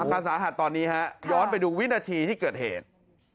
การสาหัสตอนนี้ฮะย้อนไปดูวินาทีที่เกิดเหตุ